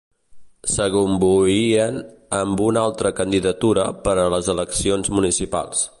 S'agomboien amb una altra candidatura per a les eleccions municipals.